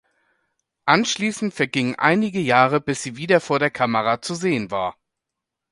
Anschließend vergingen einige Jahre bis sie wieder vor der Kamera zu sehen war.